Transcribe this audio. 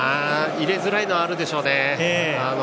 入れづらいのはあるでしょうね。